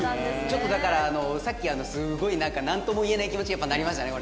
ちょっとだからさっきすごいなんとも言えない気持ちにやっぱなりましたね